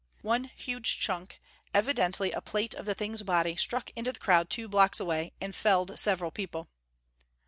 One huge chunk, evidently a plate of the thing's body, struck into the crowd two blocks away, and felled several people.